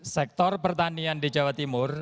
sektor pertanian di jawa timur